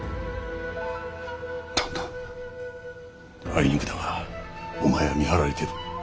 あいにくだがお前は見張られてる。